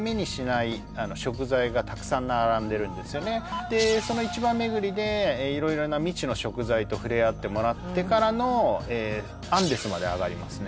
あのその市場巡りで色々な未知の食材と触れ合ってもらってからのアンデスまで上がりますね